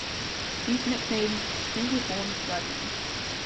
He is nicknamed "Single-horned Dragon".